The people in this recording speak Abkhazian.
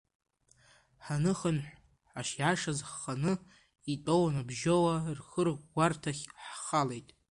Ҳаныхынҳә, ҳашиашаз ҳханы итәоу набжьоуаа рхырӷәӷәарҭахь ҳхалеит.